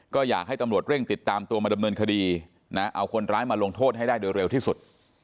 ก็อยากให้ตำรวจเร่งติดตามตัวมาดำเนินคดีนะเอาคนร้ายมาลงโทษให้ได้โดยเร็วที่สุด